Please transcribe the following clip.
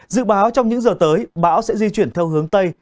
dự báo trong những giờ tới bão sẽ di chuyển theo hướng tây